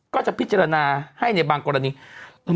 ก็จะพิจารณาให้ในบางกรณี